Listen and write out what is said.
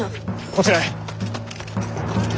こちらへ。